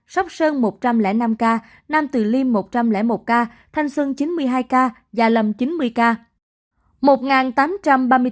sóc sơn một trăm linh năm ca nam từ liêm một trăm linh một ca thanh sơn chín mươi hai ca gia lâm chín mươi ca